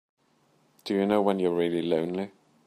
Do you know when you're really lonely?